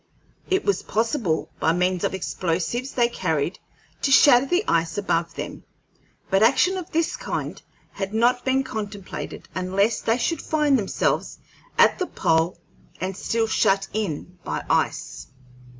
It was possible, by means of explosives they carried, to shatter the ice above them; but action of this kind had not been contemplated unless they should find themselves at the pole and still shut in by ice.